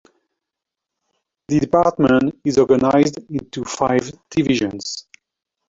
The Department is organised into five divisions.